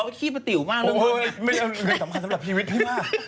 มีเงินสำคัญสำหรับฮิวิทย์ค่ะ